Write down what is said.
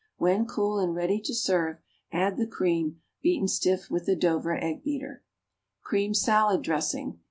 When cool and ready to serve, add the cream, beaten stiff with the Dover egg beater. =Cream Salad Dressing.